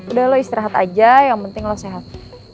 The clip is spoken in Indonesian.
udah lo istirahat aja yang penting lo sehat